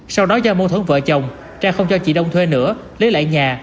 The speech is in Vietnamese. sau đó do mâu thuẫn vợ chồng trang không cho chị đông thuê nữa lấy lại nhà